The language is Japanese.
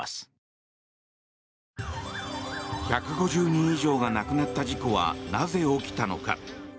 １５０人以上が亡くなった事故はなぜ起きたのか。